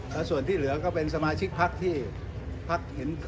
และส่วนที่เหลือก็เป็นสมาชิกพักที่พักเห็น